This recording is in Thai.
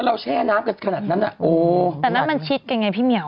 เราแช่น้ำนั้นกันโอ้วทรายนะมันชิดกินยังไงพี่เมียล